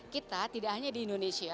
kita tidak hanya di indonesia